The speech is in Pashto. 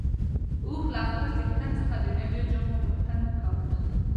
اوښ له خپل څښتن څخه د نويو جامو غوښتنه کوله.